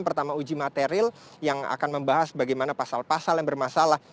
pertama uji material yang akan membahas bagaimana pasal pasal yang bermasalah